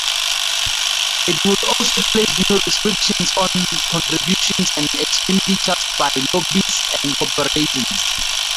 It would also place new restrictions on contributions and expenditures by lobbyists and corporations.